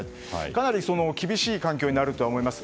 かなり厳しい環境になるとは思います。